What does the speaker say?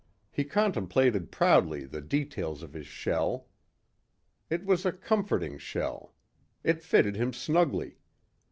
He contemplated proudly the details of his shell. It was a comforting shell. It fitted him snugly.